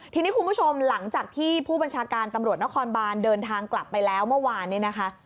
ทีนี้คุณผู้ชมหลังจากที่ผู้บัญชาการตำรวจนครบานเดินทางกลับไปแล้วเมื่อวานเนี่ยนะคะ